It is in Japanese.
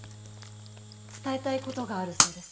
伝えたいことがあるそうです。